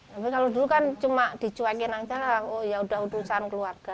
tapi kalau dulu kan cuma dicuekin saja ya sudah utusan keluar